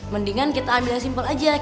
mendingan kita ambil yang simpel aja